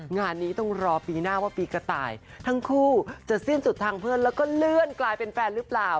งานนี้ต้องรอปีหน้าว่าปีกระต่ายทั้งคู่จะสิ้นสุดทางเพื่อนแล้วก็เลื่อนกลายเป็นแฟนหรือเปล่า